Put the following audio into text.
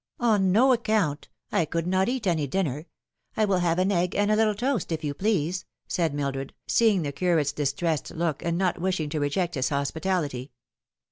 " On no account. I could not eat any dinner. I will havo an egg and a little toast, if you please," said Mildred, seeing the curate's distressed look, and not wishing to reject his hospitality.